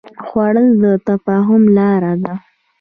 خوړل د تفاهم لاره ده